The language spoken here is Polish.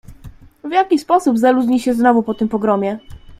"W jaki sposób zaludni się znowu po tym pogromie?"